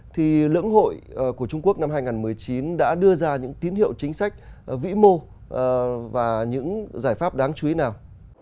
thì lưỡng hội của trung quốc năm hai nghìn một mươi chín đã đưa ra những tín hiệu chính sách vĩ mô và những giải pháp đáng chú ý nào